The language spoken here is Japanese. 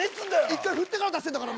一回振ってから出してんだから。